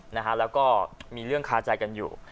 แล้วก็มีเรื่องคาใจกันอยู่